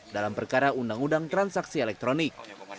dalam perkara undang undang transaksi elektronik